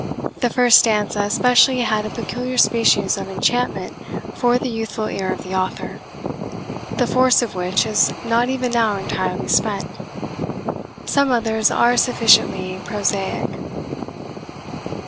The first stanza especially had a peculiar species of enchantment for the youthful ear of the author, the force of which is not even now entirely spent; some others are sufficiently prosaic.